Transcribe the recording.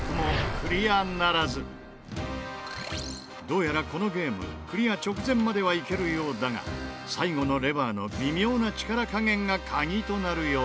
どうやらこのゲームクリア直前まではいけるようだが最後のレバーの微妙な力加減が鍵となるようだ。